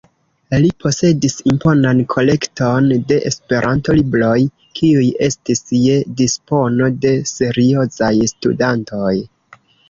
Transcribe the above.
Li posedis imponan kolekton de Esperanto-libroj, kiuj estis je dispono de seriozaj studantoj.